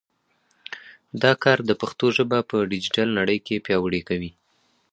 دا کار د پښتو ژبه په ډیجیټل نړۍ کې پیاوړې کوي.